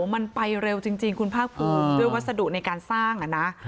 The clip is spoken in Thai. มันไปเร็วจริงคุณภาคภูมิด้วยวัสดุในการสร้างอ่ะนะ